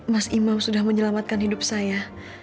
mas imam sudah menyelamatkan hidup saya